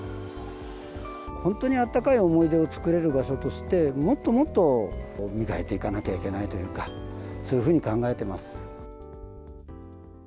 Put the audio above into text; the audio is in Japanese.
本当に温かい思い出を作れる場所として、もっともっと磨いていかなきゃいけないというか、そういうふうに考えてます。